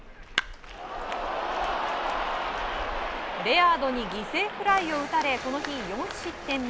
レアードに犠牲フライを打たれこの日４失点目。